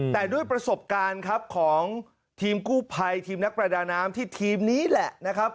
แต่ด้วยประสบการณ์ครับของทีมกู้ภัยทีมนักประดาน้ำที่ทีมนี้แหละนะครับ